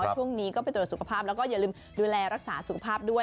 ช่วงนี้ก็ไปตรวจสุขภาพแล้วก็อย่าลืมดูแลรักษาสุขภาพด้วย